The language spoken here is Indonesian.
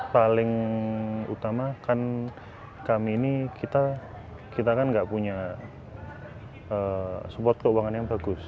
paling utama kan kami ini kita kan nggak punya support keuangan yang bagus